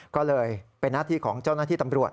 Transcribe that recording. ก็เลยเป็นหน้าที่ของเจ้าหน้าที่ตำรวจ